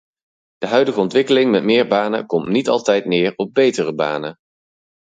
De huidige ontwikkeling met meer banen komt niet altijd neer op betere banen.